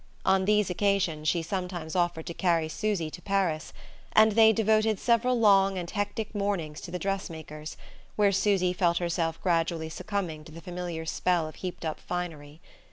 On these occasions she sometimes offered to carry Susy to Paris, and they devoted several long and hectic mornings to the dress makers, where Susy felt herself gradually succumbing to the familiar spell of heaped up finery.